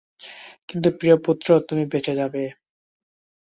কিন্তু প্রিয় পুত্র, তুমি বেঁচে যাবে।